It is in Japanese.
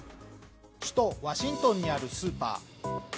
首都ワシントンにあるスーパー。